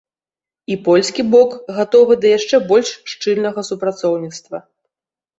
І польскі бок гатовы да яшчэ больш шчыльнага супрацоўніцтва.